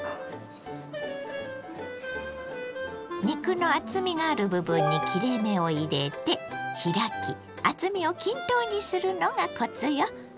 肉の厚みがある部分に切れ目を入れて開き厚みを均等にするのがコツよ。